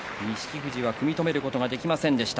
富士は組み止めることができませんでした。